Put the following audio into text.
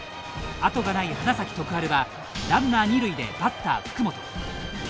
後がない花咲徳栄はランナー二塁でバッター福本。